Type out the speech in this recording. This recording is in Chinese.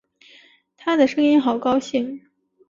她的声音好高兴